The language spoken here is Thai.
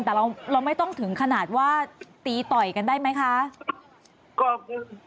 แต่เราไม่ต้องถึงขนาดว่าตีต่อยกันได้ไหมคะ